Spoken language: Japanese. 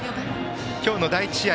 今日の第１試合